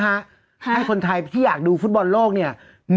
ให้คนไทยที่อยากดูฟุตบอลโลกเนี่ย